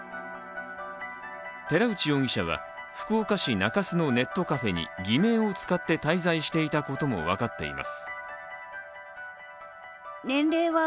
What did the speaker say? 寺内容疑者は福岡市中洲のネットカフェに偽名を使って滞在していたことも分かっています。